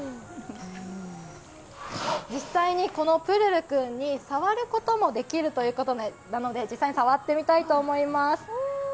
実際にこのプルル君に触ることもできるということなので実際に触ってみたいと思います。